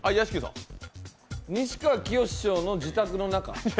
西川きよし師匠の自宅の中。